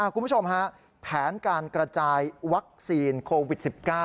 คุณผู้ชมฮะแผนการกระจายวัคซีนโควิด๑๙